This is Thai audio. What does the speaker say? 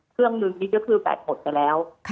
เครื่องนึงนี่ก็คือโทรศัพท์หมดแล้ว